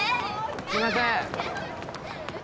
すいませんえっ？